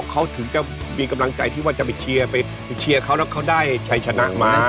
เขาถึงจะมีกำลังใจที่ว่าจะไปเชียร์ไปเชียร์เขาแล้วเขาได้ชัยชนะมา